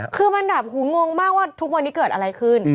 คือมันแบบหูงงมากว่าทุกวันนี้เกิดอะไรขึ้น